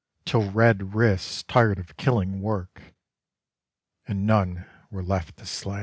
Till red wrists tired of killing work, and none were left to slay.